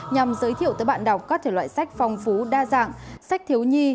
nhằm giới thiệu tới bạn đọc các thể loại sách phong phú đa dạng sách thiếu nhi